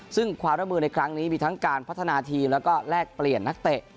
ซึ่งความร่วมมือในครั้งนี้มีทั้งการพัฒนาทีมแล้วก็แลกเปลี่ยนนักเตะ